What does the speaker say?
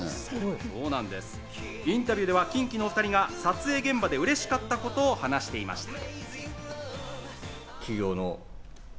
インタビューではＫｉｎＫｉのお２人が撮影現場で嬉しかったことを話していました。